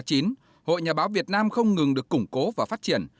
hội nhà báo việt nam không ngừng được củng cố và phát triển